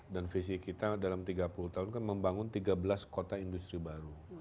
dan visi kita dalam tiga puluh tahun kan membangun tiga belas kota industri baru